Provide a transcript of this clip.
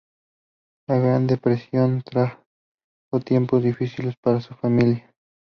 La gran depresión trajo tiempos difíciles para su familia.